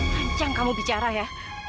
tanjang kamu bicara ya